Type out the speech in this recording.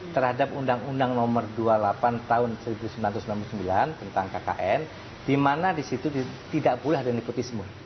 terhadap undang undang nomor dua puluh delapan tahun seribu sembilan ratus sembilan puluh sembilan tentang kkn di mana di situ tidak boleh ada nepotisme